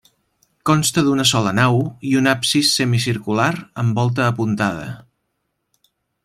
Consta d'una sola nau i un absis semicircular amb volta apuntada.